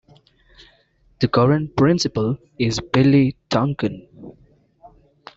The current principal is Billy Duncan.